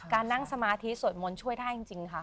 นั่งสมาธิสวดมนต์ช่วยได้จริงค่ะ